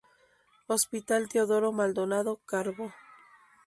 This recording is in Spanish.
Hospital Teodoro Maldonado Carbo